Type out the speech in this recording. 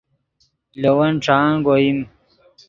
لے ون ݯانگ اوئیم